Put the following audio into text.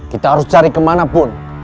kita harus cari kemanapun